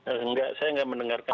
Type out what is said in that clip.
enggak saya enggak mendengarkan